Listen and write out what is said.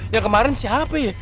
yang kemarin siapa ya